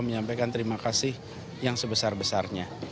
menyampaikan terima kasih yang sebesar besarnya